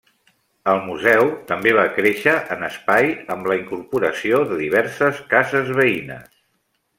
El museu també va créixer en espai amb la incorporació de diverses cases veïnes.